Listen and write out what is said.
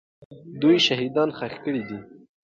دوی شهیدان ښخ کړي دي.